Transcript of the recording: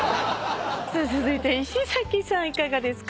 続いて石崎さんいかがですか？